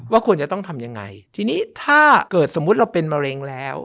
ควรจะต้องทำยังไงทีนี้ถ้าเกิดสมมุติเราเป็นมะเร็งแล้ว